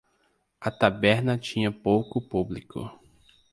A taberna tinha pouco público.